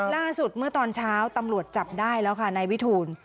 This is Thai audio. เมื่อตอนเช้าตำรวจจับได้แล้วค่ะนายวิทูล